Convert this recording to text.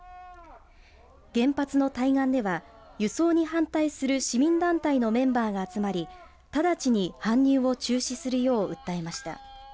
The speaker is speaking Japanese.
原発の対岸では、輸送に反対する市民団体のメンバーが集まり直ちに搬入を中止するよう訴えました。